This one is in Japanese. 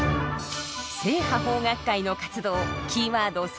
正派邦楽会の活動キーワード